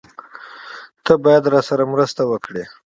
تۀ باید راسره مرسته وکړې!